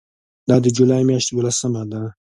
دا د جولای میاشتې یوولسمه ده.